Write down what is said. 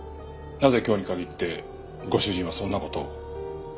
なぜ今日に限ってご主人はそんな事を？